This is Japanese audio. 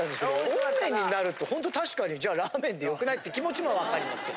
温麺になるとほんと確かにじゃあラーメンでよくない？って気持ちも分かりますけど。